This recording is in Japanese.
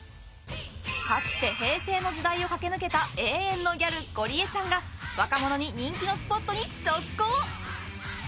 かつて平成の時代を駆け抜けた永遠のギャル、ゴリエちゃんが若者に人気のスポットに直行。